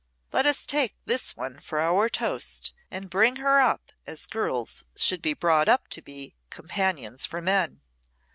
Let us take this one for our toast, and bring her up as girls should be brought up to be companions for men.